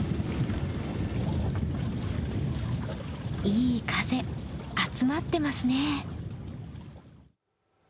いい風、集まってますね。